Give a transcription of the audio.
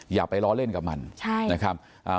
อย่าไปล้อเล่นกับมันใช่นะครับ